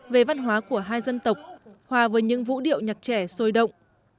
về văn hóa của hai dân tộc hòa với những vũ điệu nhạc trẻ sôi động